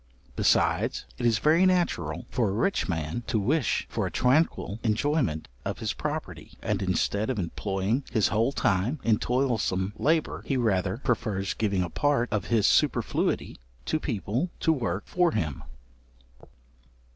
Besides, it is very natural for a rich man to wish for a tranquil enjoyment of his property, and instead of employing his whole time in toilsome labour, he rather prefers giving a part of his superfluity to people to work for him.